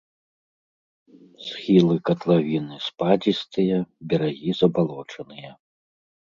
Схілы катлавіны спадзістыя, берагі забалочаныя.